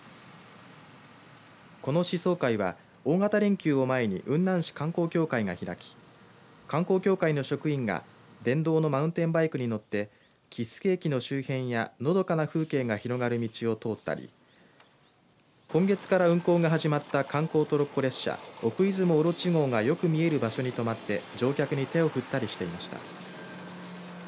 この試走会は大型連休を前に雲南市観光協会が開き観光協会の職員が電動のマウンテンバイクに乗って木次駅の周辺や、のどかな風景が広がる道を通ったり今月から運行が始まった観光トロッコ列車、奥出雲おろち号がよく見える場所に止まって乗客に手を振ったりしていました。